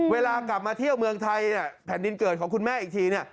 เวลากลับมาเที่ยวเมืองไทยเนี่ยแผ่นดินเกิดของคุณแม่อีกทีเนี่ย